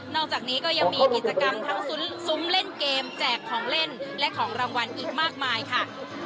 อกจากนี้ก็ยังมีกิจกรรมทั้งซุ้มเล่นเกมแจกของเล่นและของรางวัลอีกมากมายค่ะ